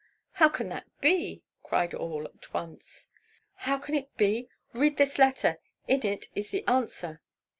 "How can that be?" cried all, at once. "How can it be? Read this letter; in it is the answer."